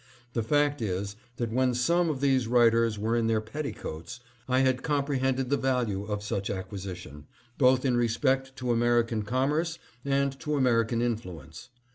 The fact is, that when some of these writers were in their petticoats, I had comprehended the value of such an acquisition, both in. respect to American commerce and to American influence.